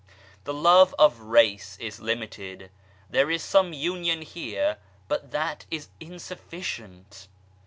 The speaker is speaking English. The Love of Race is limited ; there is some union here, but that is insufficient.